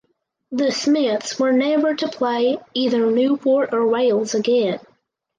The Smiths were never to play either Newport or Wales again.